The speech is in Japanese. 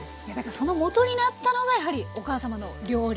そのもとになったのがやはりお母様の料理。